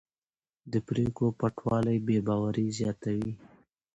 د پرېکړو پټوالی بې باوري زیاتوي